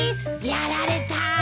やられたぁ。